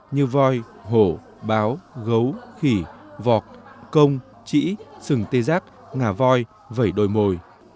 như voi hổ báo gấu khỉ vọc công trĩ sừng tê giác ngà voi vẩy đồi mồi